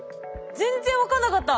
全然分かんなかった。